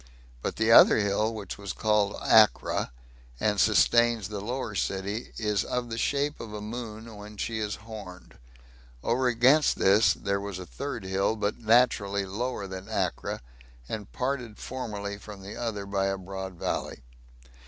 But the other hill, which was called "Acra," and sustains the lower city, is of the shape of a moon when she is horned; over against this there was a third hill, but naturally lower than Acra, and parted formerly from the other by a broad valley.